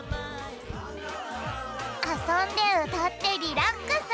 あそんでうたってリラックス！